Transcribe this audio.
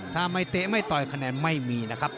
ถ้าไม่เตะไม่ต่อยคะแนนไม่มีนะครับ